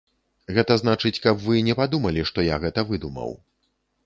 Гэта значыць, каб вы не падумалі, што я гэта выдумаў.